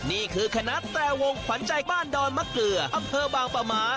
นี่คือคณะแตรวงขวัญใจบ้านดอนมะเกลืออำเภอบางปะหมา